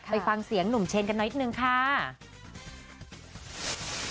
ไปฟังเสียงหนุ่มเชนกันนิดนึงค่ะ